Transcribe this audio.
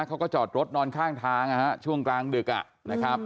เขาก็จอดรถนอนข้างทางช่วงกลางดึกนะครับ